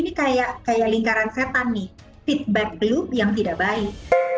jadi kayak kayak lingkaran setan nih feedback belum yang tidak baik